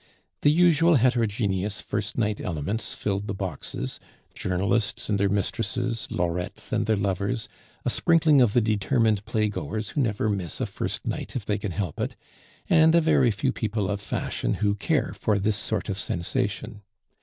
The usual heterogeneous first night elements filled the boxes journalists and their mistresses, lorettes and their lovers, a sprinkling of the determined playgoers who never miss a first night if they can help it, and a very few people of fashion who care for this sort of sensation.